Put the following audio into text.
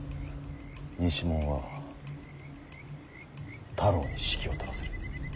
西門は太郎に指揮を執らせる。